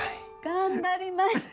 頑張りました！